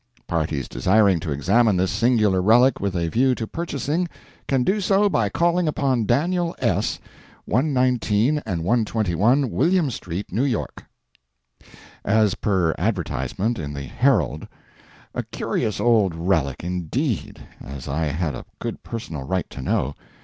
Parties desiring to examine this singular relic with a view to purchasing, can do so by calling upon Daniel S., 119 and 121 William street, New York" As per advertisement in the "Herald." A curious old relic indeed, as I had a good personal right to know.